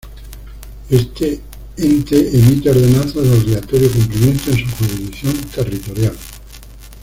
Este ente emite ordenanzas de obligatorio cumplimiento en su jurisdicción territorial.